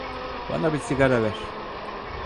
Bana bir sigara ver.